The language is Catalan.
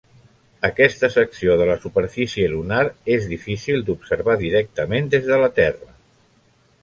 Aquesta secció de la superfície lunar és difícil d'observar directament des de la Terra.